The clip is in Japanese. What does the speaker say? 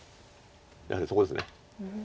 やはりそこです。